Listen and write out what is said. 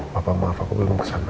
papa maaf aku belum kesana